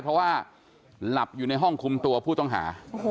เพราะว่าหลับอยู่ในห้องคุมตัวผู้ต้องหา